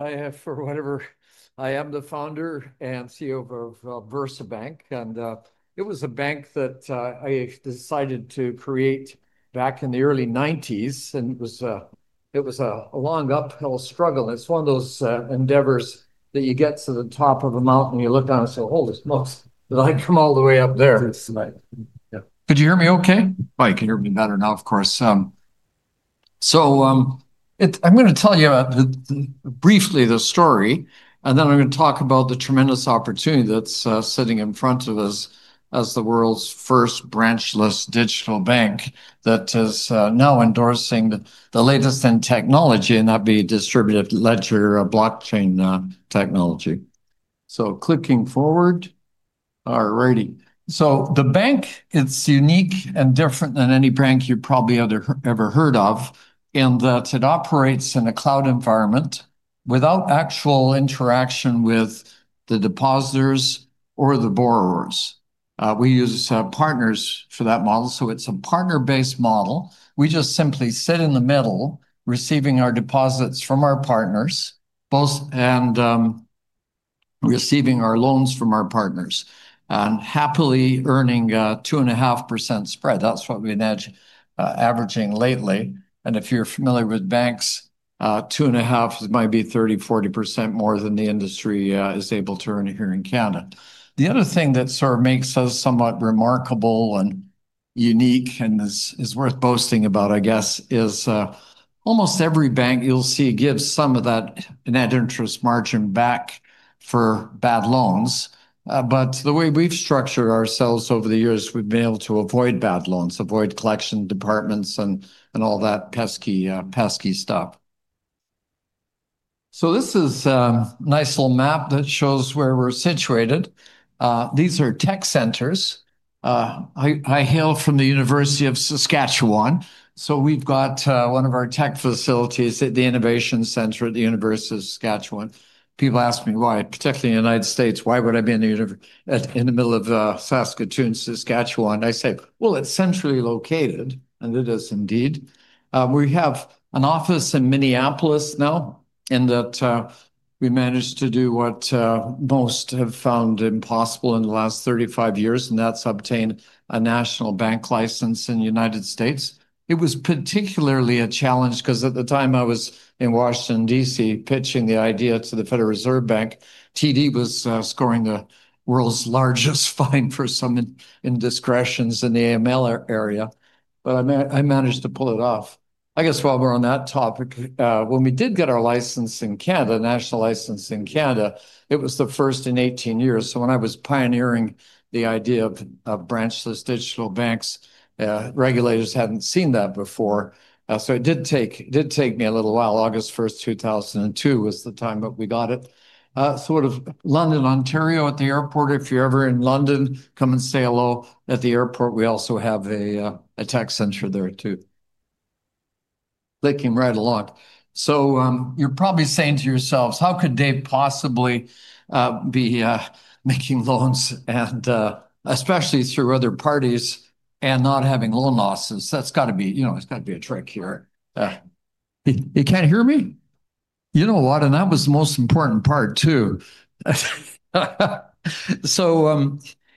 I am the Founder and CEO of VersaBank, and it was a bank that I decided to create back in the early 1990s. It was a long uphill struggle. It's one of those endeavors that you get to the top of a mountain, you look down and say, "Holy smokes, did I come all the way up there? Could you hear me okay? Hi, can you hear me better now? Of course. I'm going to tell you briefly the story, and then I'm going to talk about the tremendous opportunity that's sitting in front of us as the world's first branchless digital bank that is now endorsing the latest in technology, that being distributed ledger blockchain technology. Clicking forward, all righty. The bank is unique and different than any bank you probably have ever heard of in that it operates in a cloud environment without actual interaction with the depositors or the borrowers. We use partners for that model. It's a partner-based model. We just simply sit in the middle, receiving our deposits from our partners, both, and receiving our loans from our partners, and happily earning a 2.5% spread. That's what we've been averaging lately. If you're familiar with banks, 2.5% might be 30%, 40% more than the industry is able to earn here in Canada. The other thing that sort of makes us somewhat remarkable and unique and is worth boasting about, I guess, is almost every bank you'll see gives some of that net interest margin back for bad loans. The way we've structured ourselves over the years, we've been able to avoid bad loans, avoid collection departments, and all that pesky, pesky stuff. This is a nice little map that shows where we're situated. These are tech centers. I hail from the University of Saskatchewan. We've got one of our tech facilities at the Innovation Center at the University of Saskatchewan. People ask me, particularly in the United States, why would I be in the middle of Saskatoon, Saskatchewan? I say it's centrally located, and it is indeed. We have an office in Minneapolis now, and we managed to do what most have found impossible in the last 35 years, and that's obtain a national bank license in the United States. It was particularly a challenge because at the time I was in Washington, D.C., pitching the idea to the Federal Reserve Bank. TD was scoring the world's largest fine for some indiscretions in the AML area, but I managed to pull it off. While we're on that topic, when we did get our license in Canada, national license in Canada, it was the first in 18 years. When I was pioneering the idea of branchless digital banks, regulators hadn't seen that before. It did take me a little while. August 1, 2002 was the time that we got it. Sort of London, Ontario at the airport. If you're ever in London, come and say hello at the airport. We also have a tech center there too. They came right along. You're probably saying to yourselves, how could they possibly be making loans, and especially through other parties and not having loan losses? That's got to be, you know, it's got to be a trick here. You can't hear me? You know what? That was the most important part too.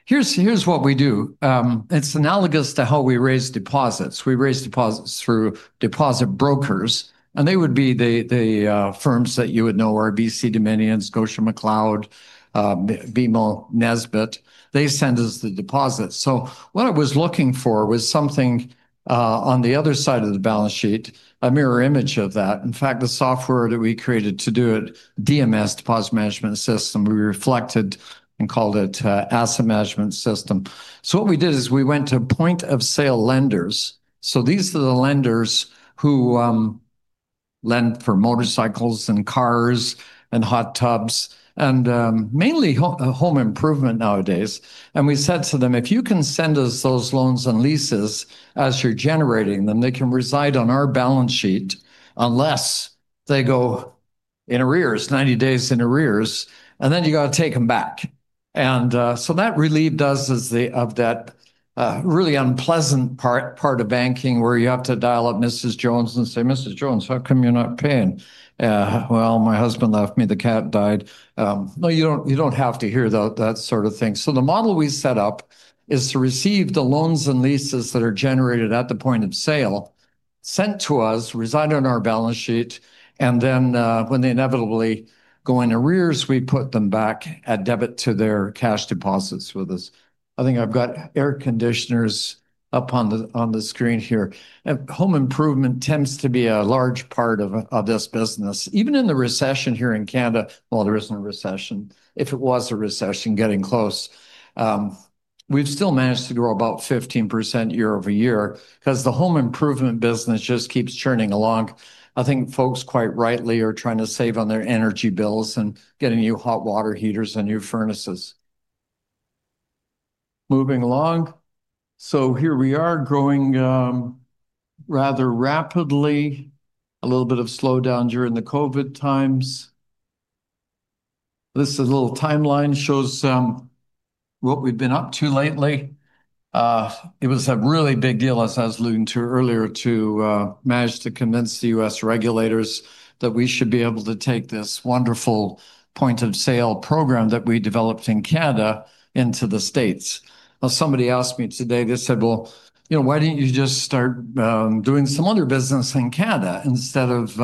Here's what we do. It's analogous to how we raise deposits. We raise deposits through deposit brokers, and they would be the firms that you would know: RBC Dominion, Scotiabank, McLeod, BMO Nesbitt. They send us the deposit. What I was looking for was something on the other side of the balance sheet, a mirror image of that. In fact, the software that we created to do it, DMS, Deposit Management System, we reflected and called it Asset Management System. What we did is we went to point-of-sale lenders. These are the lenders who lend for motorcycles and cars and hot tubs and mainly home improvement nowadays. We said to them, if you can send us those loans and leases as you're generating them, they can reside on our balance sheet unless they go in arrears, 90 days in arrears, and then you got to take them back. That relieved us of that really unpleasant part of banking where you have to dial up Mrs. Jones and say, "Mrs. Jones, how come you're not paying?" "My husband left me, the cat died." No, you don't have to hear that sort of thing. The model we set up is to receive the loans and leases that are generated at the point of sale, sent to us, reside on our balance sheet, and then when they inevitably go into arrears, we put them back at debit to their cash deposits with us. I think I've got air conditioners up on the screen here. Home improvement tends to be a large part of this business. Even in the recession here in Canada, there isn't a recession. If it was a recession, getting close. We've still managed to grow about 15% year-over-year because the home improvement business just keeps churning along. I think folks quite rightly are trying to save on their energy bills and getting new hot water heaters and new furnaces. Moving along. Here we are growing rather rapidly. A little bit of slowdown during the COVID times. This little timeline shows what we've been up to lately. It was a really big deal, as I was alluding to earlier, to manage to convince the U.S. regulators that we should be able to take this wonderful point-of-sale program that we developed in Canada into the States. Somebody asked me today, they said, you know, why didn't you just start doing some other business in Canada instead of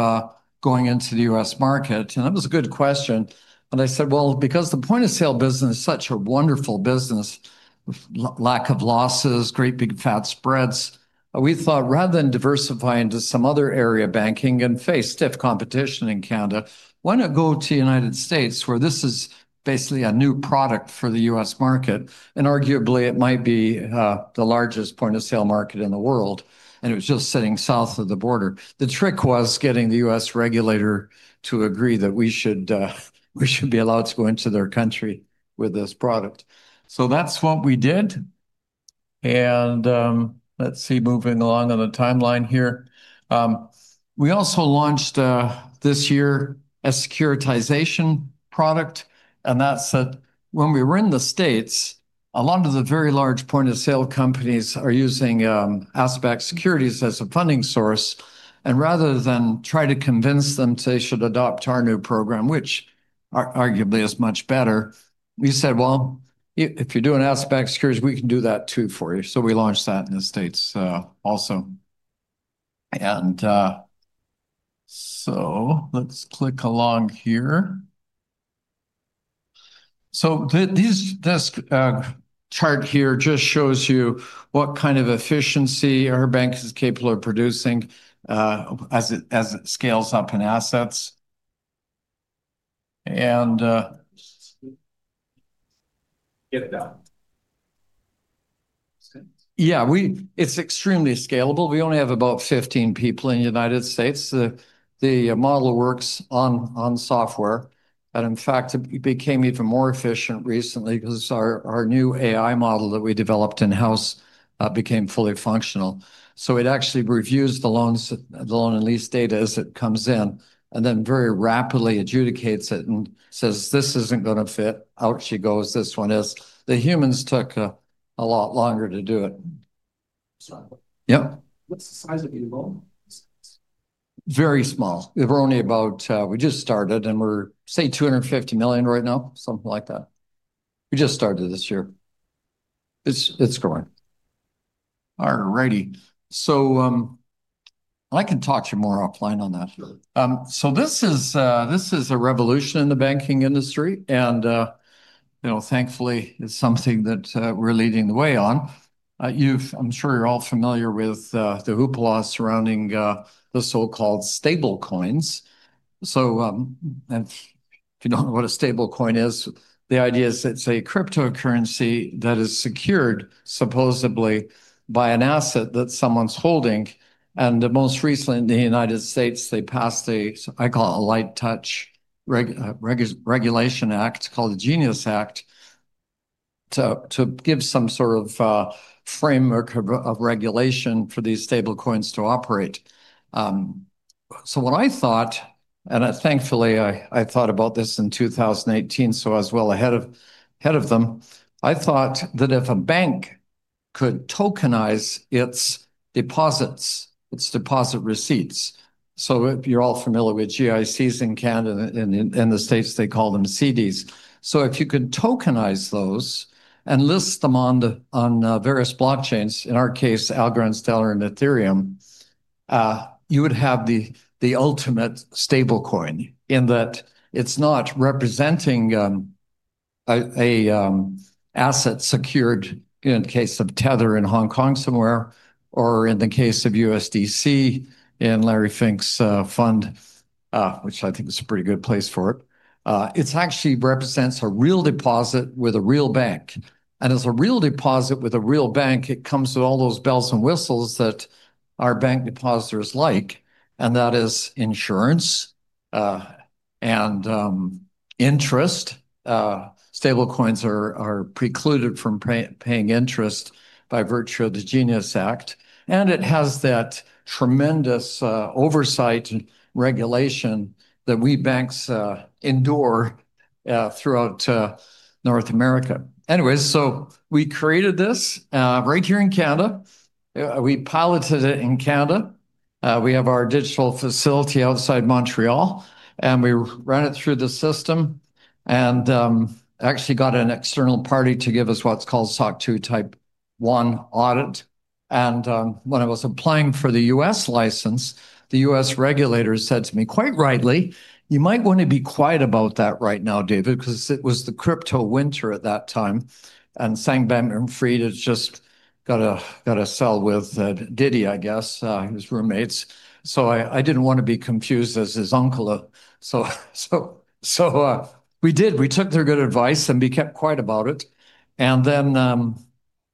going into the U.S. market? That was a good question. I said, because the point-of-sale business is such a wonderful business, lack of losses, great big fat spreads, we thought rather than diversify into some other area of banking and face stiff competition in Canada, why not go to the United States where this is basically a new product for the U.S. market? Arguably, it might be the largest point-of-sale market in the world. It was just sitting south of the border. The trick was getting the U.S. regulator to agree that we should be allowed to go into their country with this product. That's what we did. Moving along on the timeline here, we also launched this year a securitization product. When we were in the States, a lot of the very large point-of-sale companies are using asset-backed securities as a funding source. Rather than try to convince them they should adopt our new program, which arguably is much better, we said, if you're doing asset-backed securities, we can do that too for you. We launched that in the States also. Let's click along here. This chart here just shows you what kind of efficiency our bank is capable of producing as it scales up in assets. Yeah, it's extremely scalable. We only have about 15 people in the United States. The model works on software. In fact, it became even more efficient recently because our new AI model that we developed in-house became fully functional. It actually reviews the loan and lease data as it comes in and then very rapidly adjudicates it and says, "This isn't going to fit." Out she goes, "This one is." The humans took a lot longer to do it. Yep. What's the size of your loan? Very small. We're only about, we just started and we're, say, $250 million right now, something like that. We just started this year. It's growing. All righty. I can talk to you more offline on that. This is a revolution in the banking industry, and thankfully, it's something that we're leading the way on. I'm sure you're all familiar with the hoopla surrounding the so-called stable coins. If you don't know what a stable coin is, the idea is it's a cryptocurrency that is secured supposedly by an asset that someone's holding. Most recently in the United States, they passed a, I call it a light touch regulation act called the Genius Act to give some sort of framework of regulation for these stable coins to operate. What I thought, and thankfully, I thought about this in 2018, so I was well ahead of them, I thought that if a bank could tokenize its deposits, its deposit receipts—if you're all familiar with GICs in Canada, in the States, they call them CDs—if you could tokenize those and list them on various blockchains, in our case, Algorand, Stellar, and Ethereum, you would have the ultimate stable coin in that it's not representing an asset secured in the case of Tether in Hong Kong somewhere, or in the case of USDC in Larry Fink's fund, which I think is a pretty good place for it. It actually represents a real deposit with a real bank. As a real deposit with a real bank, it comes with all those bells and whistles that our bank depositors like, and that is insurance and interest. Stable coins are precluded from paying interest by virtue of the Genius Act. It has that tremendous oversight and regulation that we banks endure throughout North America. We created this right here in Canada. We piloted it in Canada. We have our digital facility outside Montreal, and we ran it through the system and actually got an external party to give us what's called SOC 2 Type 1 audit. When I was applying for the U.S. license, the U.S. regulator said to me quite rightly, "You might want to be quiet about that right now, David," because it was the crypto winter at that time. Sam Bankman-Fried just got a cell with Diddy, I guess, his roommate. I didn't want to be confused as his uncle. We took their good advice and we kept quiet about it.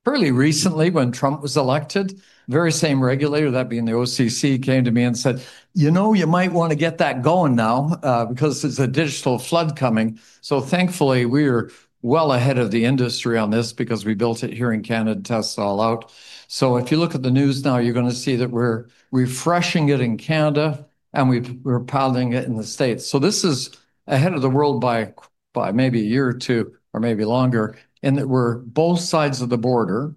Fairly recently, when Trump was elected, the very same regulator, that being the OCC, came to me and said, "You know, you might want to get that going now because there's a digital flood coming." Thankfully, we are well ahead of the industry on this because we built it here in Canada, tests all out. If you look at the news now, you're going to see that we're refreshing it in Canada and we're piloting it in the United States. This is ahead of the world by maybe a year or two or maybe longer in that we're both sides of the border,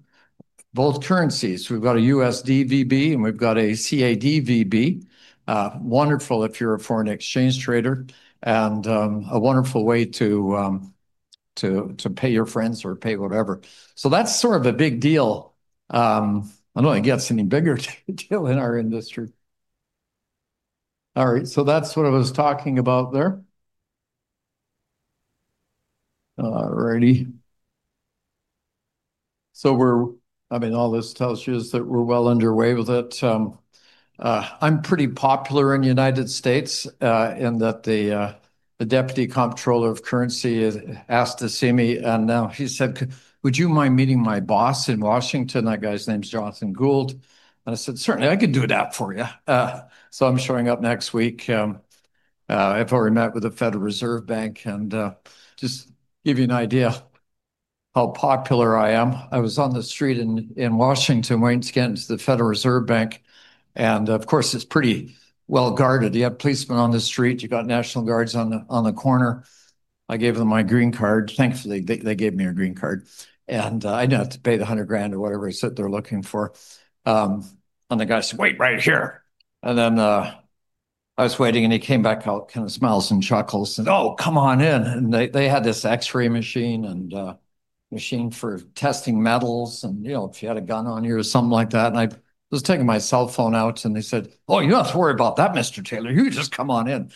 both currencies. We've got a USDVB and we've got a CADVB. Wonderful if you're a foreign exchange trader and a wonderful way to pay your friends or pay whatever. That's sort of a big deal. I don't think it gets any bigger deal in our industry. That's what I was talking about there. All this tells you is that we're well underway with it. I'm pretty popular in the United States in that the Deputy Comptroller of Currency asked to see me, and now he said, "Would you mind meeting my boss in Washington? That guy's name's Jonathan Gould." I said, "Certainly, I can do that for you." I'm showing up next week. I've already met with the Federal Reserve Bank and just give you an idea how popular I am. I was on the street in Washington waiting to get into the Federal Reserve Bank. Of course, it's pretty well guarded. You have policemen on the street. You've got National Guards on the corner. I gave them my green card. Thankfully, they gave me a green card. I didn't have to pay the $100,000 or whatever I said they're looking for. The guy said, "Wait, right here." I was waiting and he came back out, kind of smiles and chuckles and said, "Oh, come on in." They had this X-ray machine and machine for testing metals and, you know, if you had a gun on you or something like that. I was taking my cell phone out and they said, "Oh, you don't have to worry about that, Mr. Taylor. You can just come on in."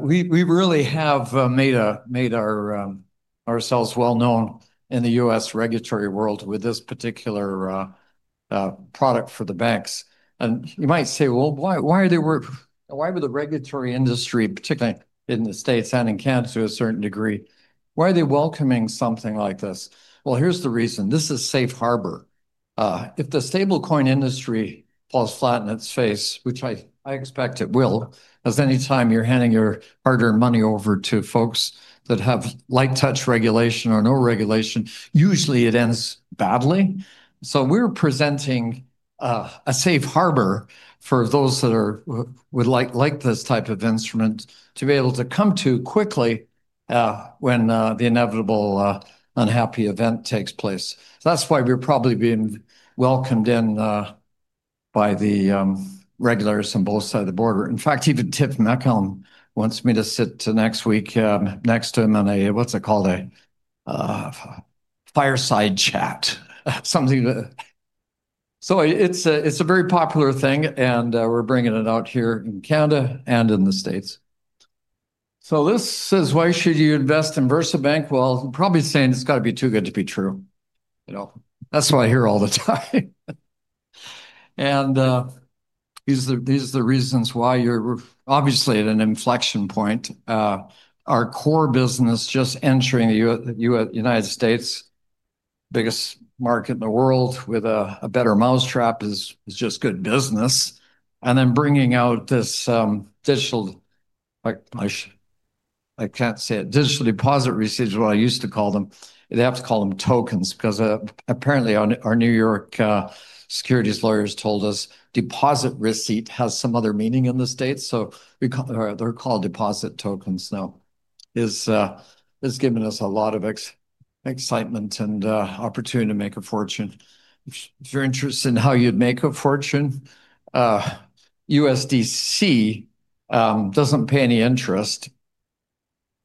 We really have made ourselves well known in the U.S. regulatory world with this particular product for the banks. You might say, "Why are they, why would the regulatory industry, particularly in the United States and in Canada to a certain degree, why are they welcoming something like this?" Here's the reason. This is safe harbor. If the stablecoin industry falls flat in its face, which I expect it will, as any time you're handing your hard-earned money over to folks that have light touch regulation or no regulation, usually it ends badly. We were presenting a safe harbor for those that would like this type of instrument to be able to come to quickly when the inevitable unhappy event takes place. That's why we're probably being welcomed in by the regulators on both sides of the border. In fact, even Tiff Macklem wants me to sit next week next to him in a, what's it called, a fireside chat. It's a very popular thing and we're bringing it out here in Canada and in the United States. This says, "Why should you invest in VersaBank?" I'm probably saying it's got to be too good to be true. You know, that's what I hear all the time. These are the reasons why you're obviously at an inflection point. Our core business just entering the United States, biggest market in the world with a better mousetrap, is just good business. Bringing out this digital, I can't say it, digital deposit receipts is what I used to call them. They have to call them tokens because apparently our New York securities lawyers told us deposit receipt has some other meaning in the United States. We call, they're called deposit tokens now. It's given us a lot of excitement and opportunity to make a fortune. If you're interested in how you'd make a fortune, USDC doesn't pay any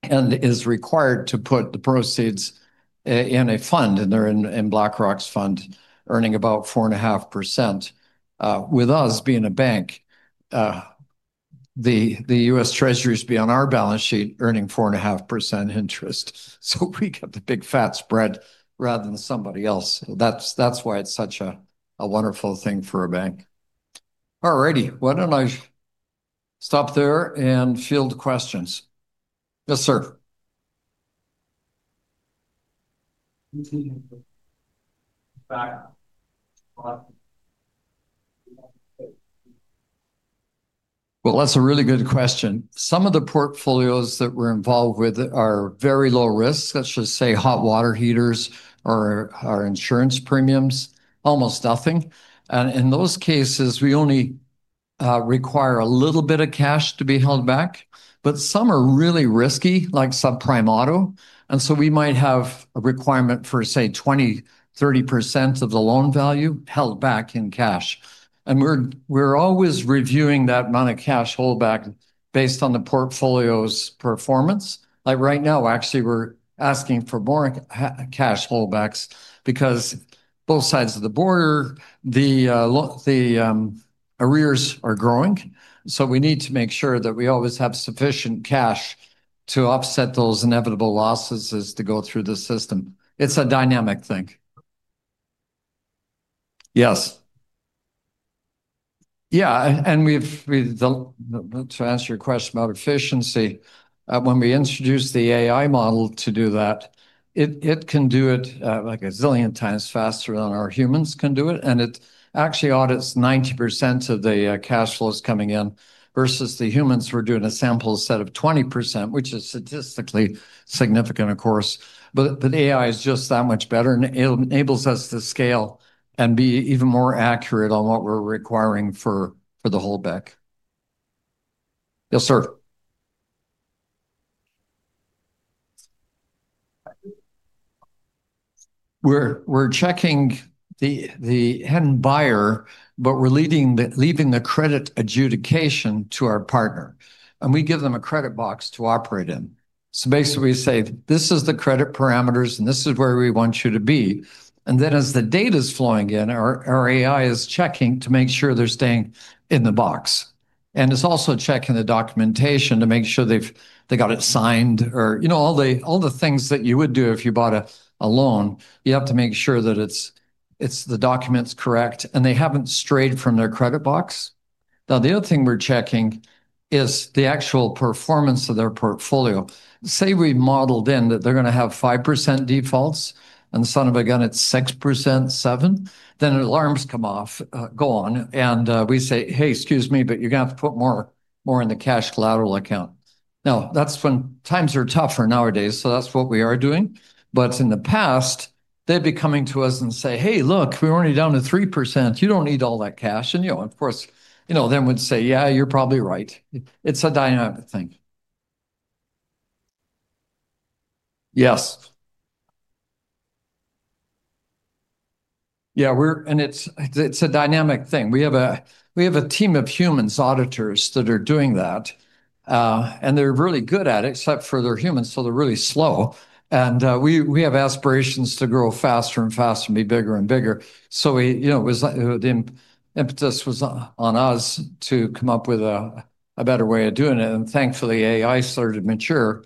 interest and is required to put the proceeds in a fund, and they're in BlackRock's fund, earning about 4.5%. With us being a bank, the U.S. Treasury is beyond our balance sheet, earning 4.5% interest. We get the big fat spread rather than somebody else. That's why it's such a wonderful thing for a bank. All righty, why don't I stop there and field questions? Yes, sir. That's a really good question. Some of the portfolios that we're involved with are very low risk. Let's just say hot water heaters or our insurance premiums, almost nothing. In those cases, we only require a little bit of cash to be held back. Some are really risky, like subprime auto. We might have a requirement for, say, 20%, 30% of the loan value held back in cash. We're always reviewing that amount of cash holdback based on the portfolio's performance. Right now, actually, we're asking for more cash holdbacks because both sides of the border, the arrears are growing. We need to make sure that we always have sufficient cash to offset those inevitable losses as they go through the system. It's a dynamic thing. Yes. To answer your question about efficiency, when we introduce the AI model to do that, it can do it a gazillion times faster than our humans can do it. It actually audits 90% of the cash flows coming in versus the humans, who are doing a sample set of 20%, which is statistically significant, of course. AI is just that much better and it enables us to scale and be even more accurate on what we're requiring for the holdback. Yes, sir. We're checking the end buyer, but we're leaving the credit adjudication to our partner. We give them a credit box to operate in. Basically, we say, these are the credit parameters and this is where we want you to be. As the data is flowing in, our AI is checking to make sure they're staying in the box. It's also checking the documentation to make sure they've got it signed or, you know, all the things that you would do if you bought a loan. You have to make sure that the document's correct and they haven't strayed from their credit box. The other thing we're checking is the actual performance of their portfolio. Say we modeled in that they're going to have 5% defaults and, son of a gun, it's 6%, 7%. Alarms come on and we say, hey, excuse me, but you're going to have to put more in the cash collateral account. That's when times are tougher nowadays, so that's what we are doing. In the past, they'd be coming to us and say, hey, look, we're already down to 3%. You don't need all that cash. Of course, then we'd say, yeah, you're probably right. It's a dynamic thing. Yes. It's a dynamic thing. We have a team of human auditors that are doing that. They're really good at it, except for they're humans, so they're really slow. We have aspirations to grow faster and faster and be bigger and bigger. The impetus was on us to come up with a better way of doing it. Thankfully, AI started to mature.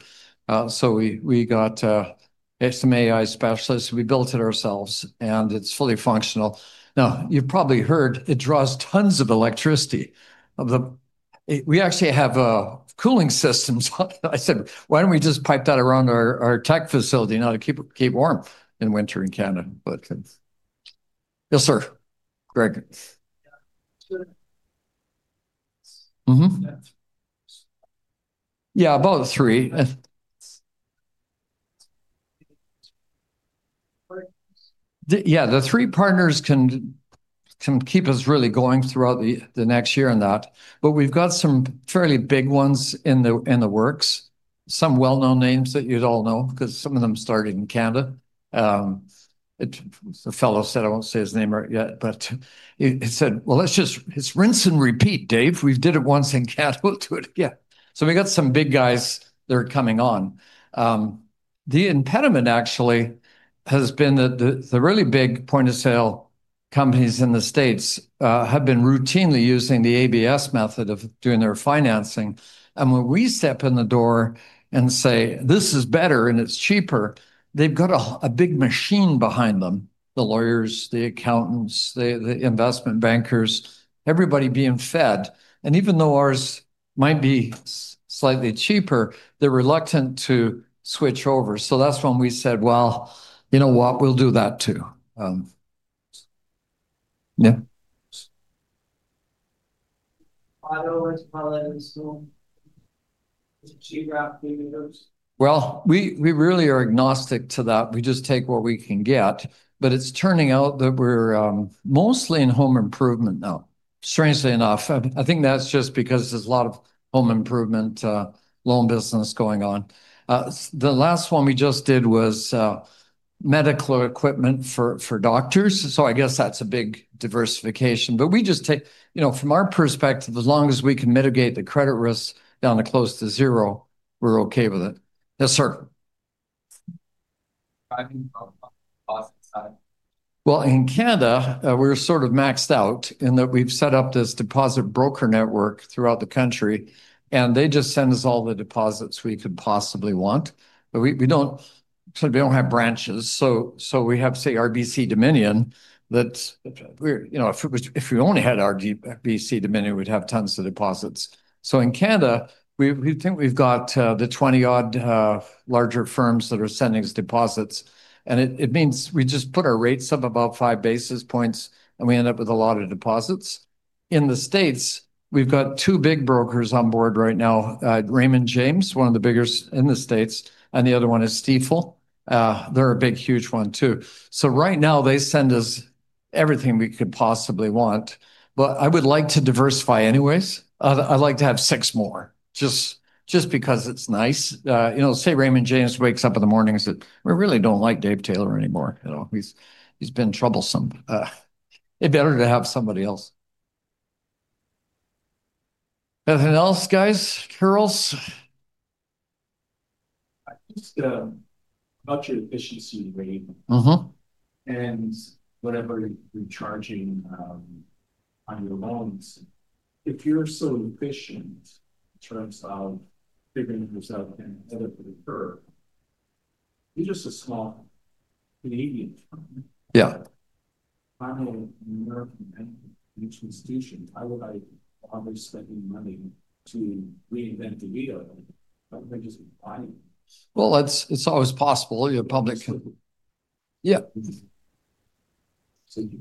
We got some AI specialists. We built it ourselves, and it's fully functional. You've probably heard it draws tons of electricity. We actually have cooling systems. I said, why don't we just pipe that around our tech facility now to keep it warm in winter in Canada? Yes, sir. Greg. Yeah, about three. Yeah, the three partners can keep us really going throughout the next year on that. We've got some fairly big ones in the works. Some well-known names that you'd all know, because some of them started in Canada. A fellow said, I won't say his name yet, but he said, let's just, it's rinse and repeat, Dave. We did it once in Canada. We'll do it again. We got some big guys that are coming on. The impediment actually has been that the really big point-of-sale companies in the United States have been routinely using the asset-backed securities method of doing their financing. When we step in the door and say, this is better and it's cheaper, they've got a big machine behind them: the lawyers, the accountants, the investment bankers, everybody being fed. Even though ours might be slightly cheaper, they're reluctant to switch over. That's when we said, you know what, we'll do that too. We really are agnostic to that. We just take what we can get. It's turning out that we're mostly in home improvement now. Strangely enough, I think that's just because there's a lot of home improvement loan business going on. The last one we just did was medical equipment for doctors. I guess that's a big diversification. We just take, you know, from our perspective, as long as we can mitigate the credit risk down to close to zero, we're okay with it. Yes, sir. In Canada, we're sort of maxed out in that we've set up this deposit broker network throughout the country. They just send us all the deposits we could possibly want. We don't have branches. We have, say, RBC Dominion Securities, that, you know, if we only had RBC Dominion Securities, we'd have tons of deposits. In Canada, we think we've got the 20-odd larger firms that are sending us deposits. It means we just put our rates up about 5 basis points and we end up with a lot of deposits. In the United States, we've got two big brokers on board right now: Raymond James, one of the biggest in the United States, and the other one is Stifel. They're a big, huge one too. Right now, they send us everything we could possibly want. I would like to diversify anyways. I'd like to have six more, just because it's nice. You know, say Raymond James wakes up in the morning and says, "I really don't like Dave Taylor anymore. You know, he's been troublesome." It'd be better to have somebody else. Anything else, guys? Charles? About your efficiency rate. Whatever you're charging on your loans, if you're so efficient in terms of figuring things out and ahead of the curve, you're just a small Canadian firm. Yeah. I'm an American banking institution. Why would I bother spending money to reinvent the wheel? Why wouldn't I just buy it? Well it's always possible. Overall, I feel confident about VersaBank's outlook.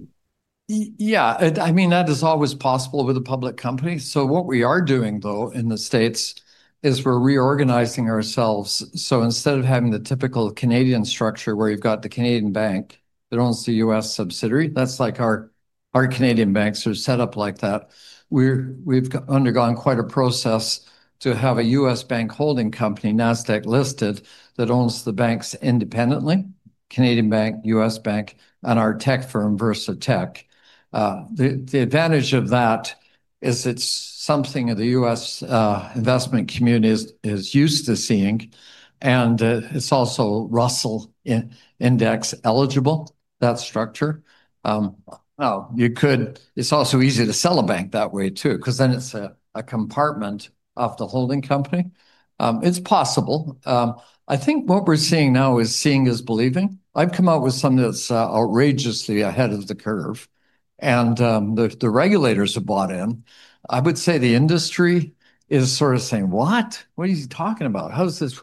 Yeah. Yeah, I mean, that is always possible with a public company. What we are doing in the United States is we're reorganizing ourselves. Instead of having the typical Canadian structure where you've got the Canadian bank that owns the U.S. subsidiary, that's like our Canadian banks are set up. We've undergone quite a process to have a U.S. bank holding company, Nasdaq listed, that owns the banks independently: Canadian Bank, U.S. Bank, and our tech firm, VersaTech. The advantage of that is it's something that the U.S. investment community is used to seeing. It's also Russell index eligible, that structure. It's also easy to sell a bank that way too, because then it's a compartment of the holding company. It's possible. I think what we're seeing now is seeing is believing. I've come out with something that's outrageously ahead of the curve. The regulators have bought in. I would say the industry is sort of saying, "What? What are you talking about? How's this?"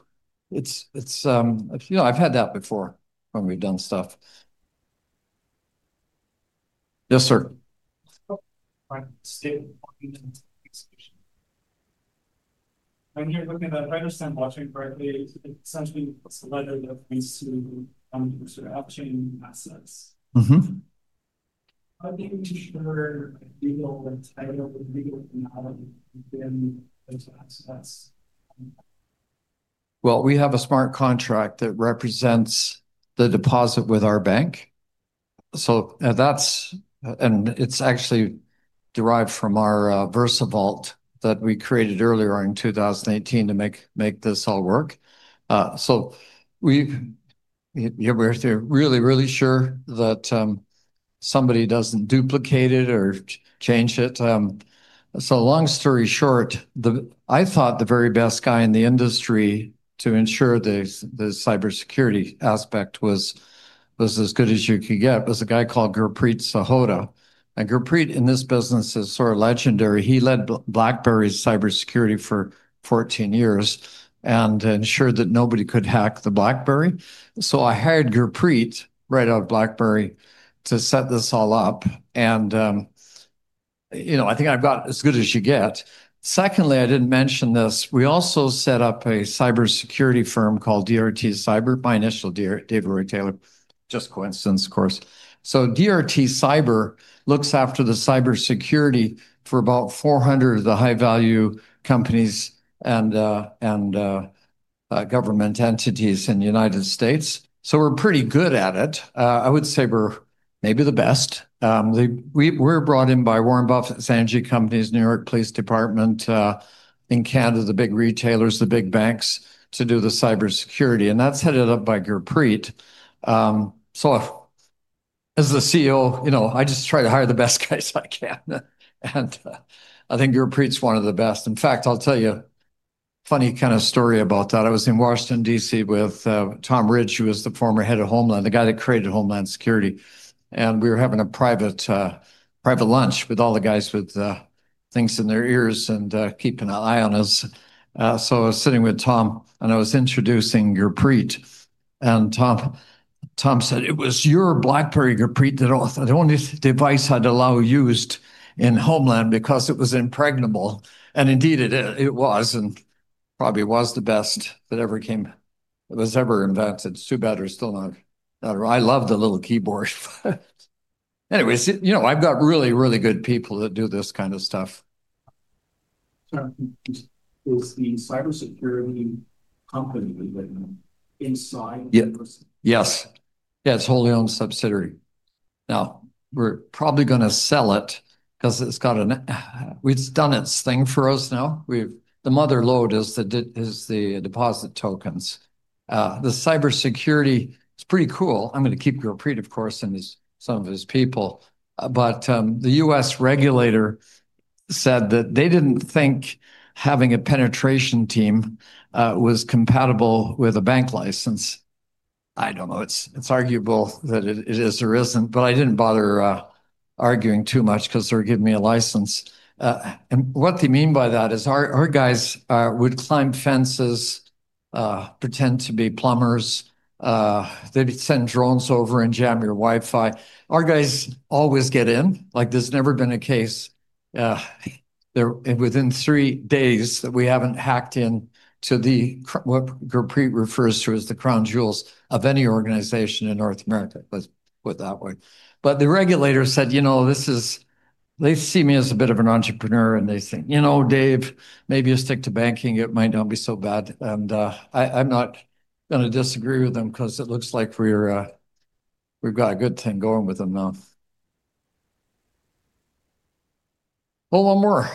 I've had that before when we've done stuff. Yes, sir. I'm here looking at, if I understand the logic correctly, it's essentially a ledger that points to sort of upchain assets. How do you ensure legal entitlement, legal finality within those assets? We have a smart contract that represents the deposit with our bank. That's, and it's actually derived from our VersaVault that we created earlier in 2018 to make this all work. We're really, really sure that somebody doesn't duplicate it or change it. Long story short, I thought the very best guy in the industry to ensure the cybersecurity aspect was as good as you could get was a guy called Gurpreet Sahota. Gurpreet in this business is sort of legendary. He led BlackBerry's cybersecurity for 14 years and ensured that nobody could hack the BlackBerry. I hired Gurpreet right out of BlackBerry to set this all up. You know, I think I've got as good as you get. Secondly, I didn't mention this, we also set up a cybersecurity firm called DRT Cyber. My initial D, David Roy Taylor, just coincidence, of course. DRT Cyber looks after the cybersecurity for about 400 of the high-value companies and government entities in the United States. We're pretty good at it. I would say we're maybe the best. We were brought in by Warren Buffett, Sanji Companies, New York Police Department, in Canada, the big retailers, the big banks to do the cybersecurity. That's headed up by Gurpreet. As the CEO, I just try to hire the best guys I can. I think Gurpreet's one of the best. In fact, I'll tell you a funny kind of story about that. I was in Washington, DC with Tom Ridge, who was the former head of Homeland, the guy that created Homeland Security. We were having a private lunch with all the guys with things in their ears and keeping an eye on us. I was sitting with Tom and I was introducing Gurpreet. Tom said, "It was your BlackBerry, Gurpreet, that the only device I'd allow used in Homeland because it was impregnable." Indeed, it was and probably was the best that ever came that was ever invented. It's too bad there's still not... I love the little keyboard. Anyways, I've got really, really good people that do this kind of stuff. Is the cybersecurity company inside? Yes. Yeah, it's a wholly owned subsidiary. Now, we're probably going to sell it because it's got an... It's done its thing for us now. The mother load is the deposit tokens. The cybersecurity is pretty cool. I'm going to keep Gurpreet, of course, and some of his people. The U.S. regulator said that they didn't think having a penetration team was compatible with a bank license. I don't know. It's arguable that it is or isn't. I didn't bother arguing too much because they're giving me a license. What they mean by that is our guys would climb fences, pretend to be plumbers, they'd send drones over and jam your Wi-Fi. Our guys always get in. There's never been a case within three days that we haven't hacked into what Gurpreet refers to as the crown jewels of any organization in North America. Let's put it that way. The regulator said, you know, they see me as a bit of an entrepreneur and they think, you know, Dave, maybe you stick to banking. It might not be so bad. I'm not going to disagree with them because it looks like we've got a good thing going with them now. Hold on more.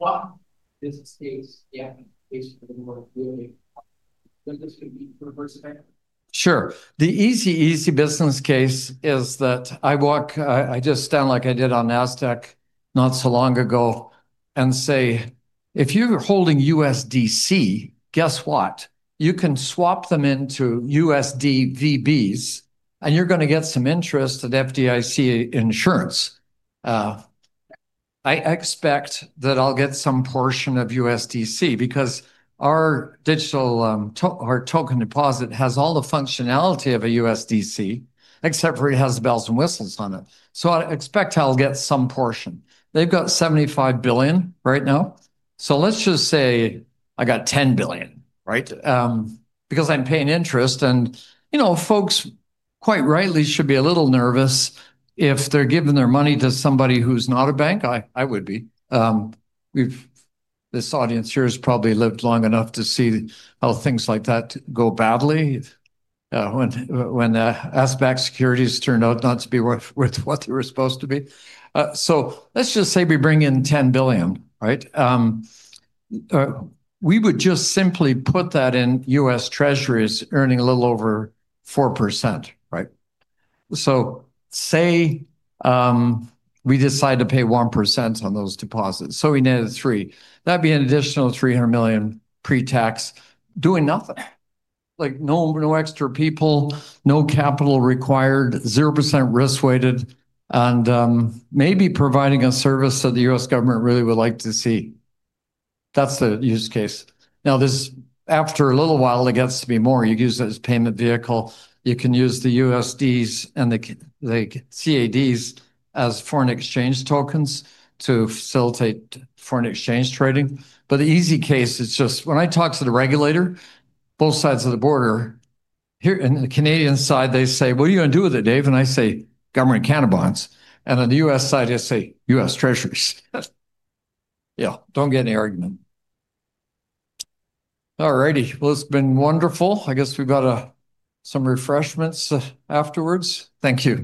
What business case do you have in case you're more willing? Business could be VersaBank. Sure. The easy, easy business case is that I walk, I just stand like I did on Nasdaq not so long ago and say, if you're holding USDC, guess what? You can swap them into USDVBs and you're going to get some interest at FDIC insurance. I expect that I'll get some portion of USDC because our digital deposit token has all the functionality of a USDC except for it has bells and whistles on it. I expect I'll get some portion. They've got $75 billion right now. Let's just say I got $10 billion, right? Because I'm paying interest and, you know, folks quite rightly should be a little nervous if they're giving their money to somebody who's not a bank. I would be. This audience here has probably lived long enough to see how things like that go badly when asset-backed securities turn out not to be worth what they were supposed to be. Let's just say we bring in $10 billion, right? We would just simply put that in U.S. Treasuries earning a little over 4%, right? Say we decide to pay 1% on those deposits. We netted 3. That'd be an additional $300 million pre-tax doing nothing. No extra people, no capital required, 0% risk-weighted, and maybe providing a service that the U.S. government really would like to see. That's the use case. After a little while, it gets to be more. You can use it as a payment vehicle. You can use the USDs and the CADs as foreign exchange tokens to facilitate foreign exchange trading. The easy case is just when I talk to the regulator, both sides of the border, here in the Canadian side, they say, "What are you going to do with it, Dave?" I say, "Government account bonds." On the U.S. side, I say, "U.S. Treasuries." Yeah, don't get any argument. All righty. It's been wonderful. I guess we've got some refreshments afterwards. Thank you.